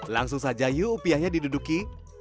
langsung saja yuk upiahnya diduduki